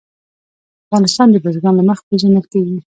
افغانستان د بزګان له مخې پېژندل کېږي.